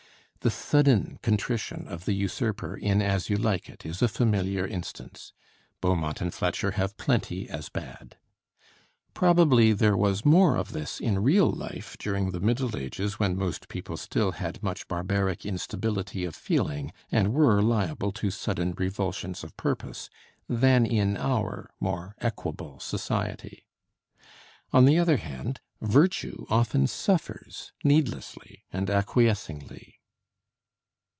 The sudden contrition of the usurper in 'As You Like It' is a familiar instance; Beaumont and Fletcher have plenty as bad. Probably there was more of this in real life during the Middle Ages, when most people still had much barbaric instability of feeling and were liable to sudden revulsions of purpose, than in our more equable society. On the other hand, virtue often suffers needlessly and acquiescingly.